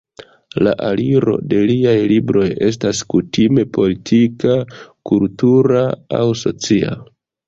La aliro de liaj libroj estas kutime politika, kultura, aŭ socia.